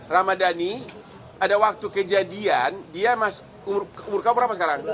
ramadhani ada waktu kejadian dia umur kamu berapa sekarang